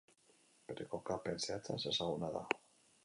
Bere kokapen zehatza ezezaguna da.